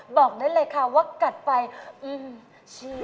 บอกได้เลยค่ะว่ากัดไปอื้อ